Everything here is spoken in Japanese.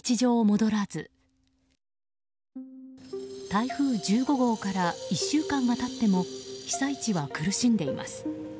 台風１５号から１週間が経っても被災地は苦しんでいます。